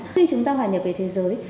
khi chúng ta hòa nhập về thế giới